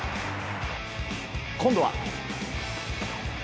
今度は。